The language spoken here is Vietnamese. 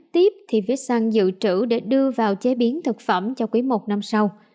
tiếp thì phết săn dự trữ để đưa vào chế biến thực phẩm cho quý một năm sau